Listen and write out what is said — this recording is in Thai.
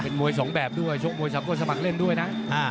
มวยสองแบบด้วยชกมวย๓คนสมัครเล่นด้วยนะ